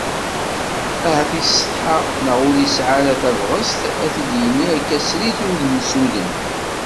Ahat yessetḥa, neɣ ur yesɛi ara tabɣest a t-id-yini akka srid udem s udem.